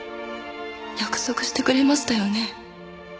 「約束してくれましたよね？」